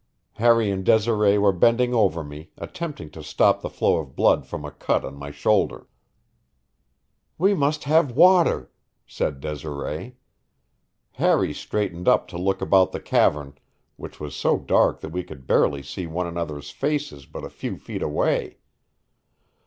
Harry and Desiree were bending over me, attempting to stop the flow of blood from a cut on my shoulder. "We must have water," said Desiree. Harry straightened up to look about the cavern, which was so dark that we could barely see one another's faces but a few feet away.